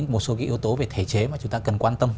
một số yếu tố về thể chế mà chúng ta cần quan tâm